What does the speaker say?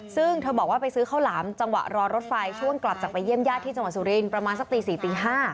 ซึ่งเธอบอกว่าไปซื้อข้าวหลามจังหวะรอรถไฟช่วงกลับจากไปเยี่ยมญาติที่จังหวัดสุรินทร์ประมาณสักตี๔ตี๕